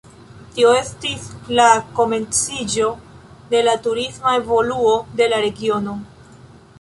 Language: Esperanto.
Tio estis la komenciĝo de la turisma evoluo de la regiono.